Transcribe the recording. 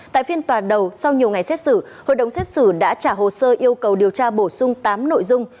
tại phiên tòa đầu sau nhiều ngày xét xử hội đồng xét xử đã trả hồ sơ yêu cầu điều tra bổ sung tám nội dung